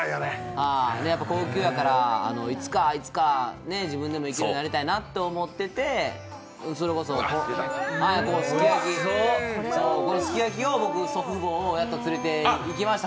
高級やから、いつかいつか自分で行けるようになりたいなと思っててそれこそ、すき焼きに祖父母をやっと連れていきました。